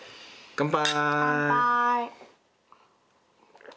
乾杯！